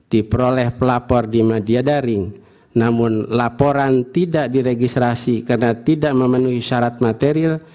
diperoleh pelapor di media daring namun laporan tidak diregistrasi karena tidak memenuhi syarat material